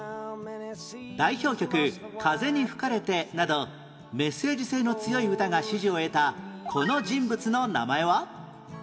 代表曲『風に吹かれて』などメッセージ性の強い歌が支持を得たこの人物の名前は？